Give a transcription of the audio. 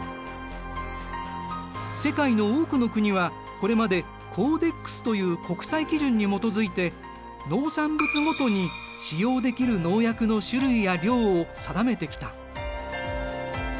世界の多くの国はこれまでコーデックスという国際基準に基づいて農産物ごとに使用できる農薬の種類や量を定めてきた。